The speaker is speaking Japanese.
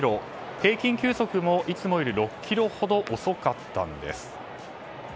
平均球速も、いつもより６キロほど遅かったんです。